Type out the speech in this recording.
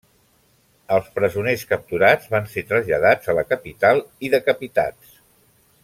Els presoners capturats van ser traslladats a la capital i decapitats.